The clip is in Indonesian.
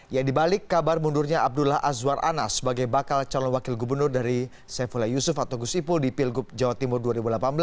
yang dibalik kabar mundurnya abdullah azwar anas sebagai bakal calon wakil gubernur dari saifullah yusuf atau gus ipul di pilgub jawa timur dua ribu delapan belas